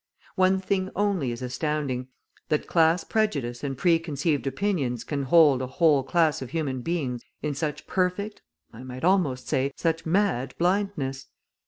One thing only is astounding, that class prejudice and preconceived opinions can hold a whole class of human beings in such perfect, I might almost say, such mad blindness.